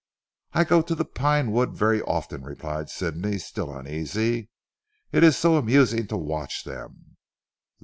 "I go to the Pine wood very often," replied Sidney still uneasy, "it is so amusing to watch them."